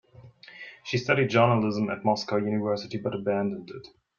She studied journalism at Moscow University, but abandoned it.